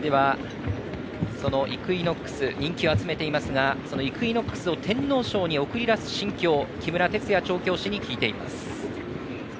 イクイノックス人気を集めていますがそのイクイノックスを天皇賞に送り出す心境を木村哲也調教師に聞いています。